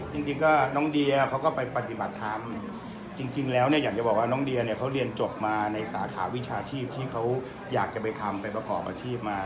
จริงก็น้องเดียเขาก็ไปปฏิบัติธรรมจริงแล้วเนี่ยอยากจะบอกว่าน้องเดียเนี่ยเขาเรียนจบมาในสาขาวิชาชีพที่เขาอยากจะไปทำไปประกอบอาชีพมา